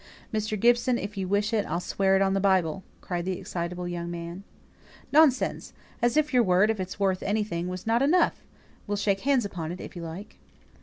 "Mr. Gibson, if you wish it, I'll swear it on the Bible," cried the excitable young man. "Nonsense. As if your word, if it's worth anything, wasn't enough! We'll shake hands upon it, if you like."